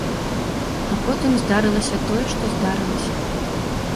А потым здарылася тое, што здарылася.